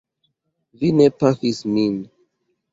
Vi ne pafis min!